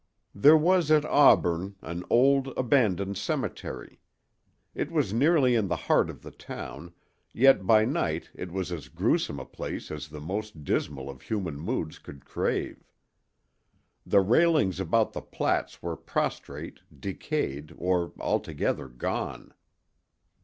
IV There was at Auburn an old, abandoned cemetery. It was nearly in the heart of the town, yet by night it was as gruesome a place as the most dismal of human moods could crave. The railings about the plats were prostrate, decayed, or altogether gone.